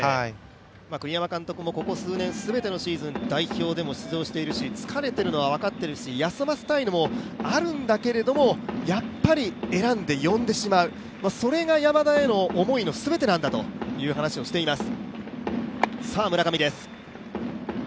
栗山監督もここ数年、全てのシーズン代表でも出場しているし疲れているのは分かっているし、休ませたいのもあるんだけれども、やっぱり選んで呼んでしまう、それが山田への思いの全てなんだという話をしています。